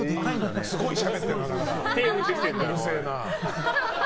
うるせえな。